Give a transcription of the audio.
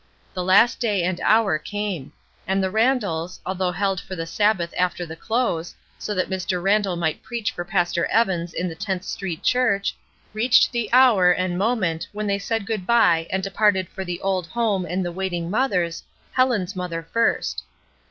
The last day and hour came ; and the Randalls, although held for the Sabbath after the close, so that Mr. Randall might preach for Pastor Evans in the Tenth Street Church, reached the hoiu and moment when they said good by and departed for the old home and the waiting mothers, Helen's mother first.